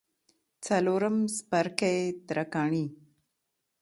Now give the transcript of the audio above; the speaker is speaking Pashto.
څلورم څپرکی: ترکاڼي